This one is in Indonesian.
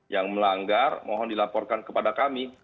yang melanggar mohon dilaporkan kepada kami